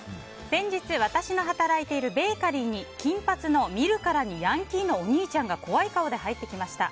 先日、私の働いているベーカリーに金髪の見るからにヤンキーのお兄ちゃんが怖い顔で入ってきました。